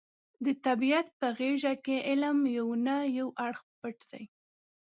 د طبیعت په غېږه کې علم یو نه یو اړخ پټ دی.